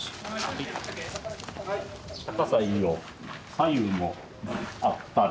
左右も合ったる。